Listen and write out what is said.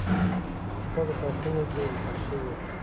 په شپږو فصلونو کې لیکل شوې.